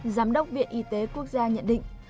giám đốc viện y tế quốc gia nhận định